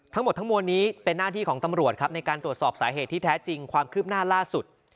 ทั้งหมดทั้งมวลนี้เป็นหน้าที่ของตำรวจครับในการตรวจสอบสาเหตุที่แท้จริงความคืบหน้าล่าสุด